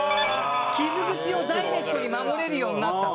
傷口をダイレクトに守れるようになったと。